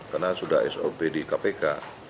karena sudah sop di kpk